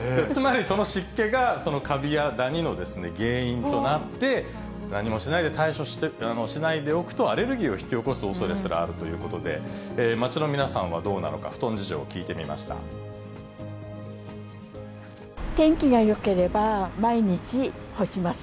つまり、その湿気がカビやダニの原因となって、何もしないで対処しないでおくとアレルギーを引き起こすおそれがあるということで、街の皆さんはどうなのか、布団事情を聞いてみ天気がよければ、毎日干します。